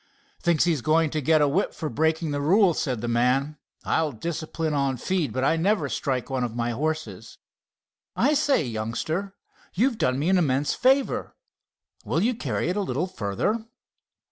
"Thinks he's going to get the whip for breaking the rules," said the man. "I'll discipline him on feed, but I never strike one of my horses. I say, youngster, you've done me an immense favor. Will you carry it a little farther?"